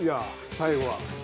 最後は。